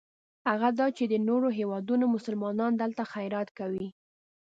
هغه دا چې د نورو هېوادونو مسلمانان دلته خیرات کوي.